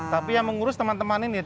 tapi yang mengurus teman teman ini